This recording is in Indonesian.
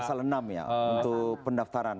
pasal enam ya untuk pendaftaran